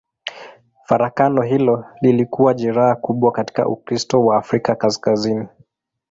Farakano hilo lilikuwa jeraha kubwa katika Ukristo wa Afrika Kaskazini.